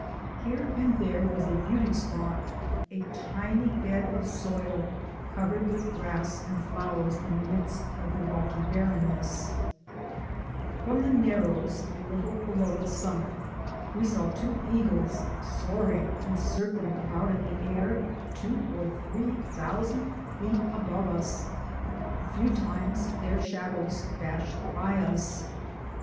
Here and there was a beauty spot — a tiny bed of soil covered with grass and flowers in the midst of rocky barrenness. 236 THE ADVENTURES OF A NATURE GUIDE From the Narrows, a little below the summit, we saw two eagles soaring and circling about in the air two or three thousand feet above us. A few times their shadows dashed by us.